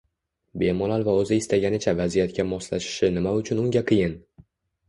Bemalol va o‘zi istaganicha vaziyatga moslashishi nima uchun unga qiyin?